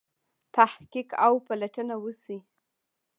تحقیق او پلټنه وشي.